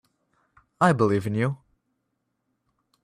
I believe in you.